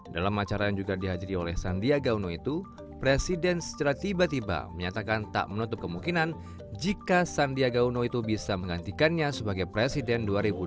dalam acara yang juga dihadiri oleh sandiaga uno itu presiden secara tiba tiba menyatakan tak menutup kemungkinan jika sandiaga uno itu bisa menggantikannya sebagai presiden dua ribu dua puluh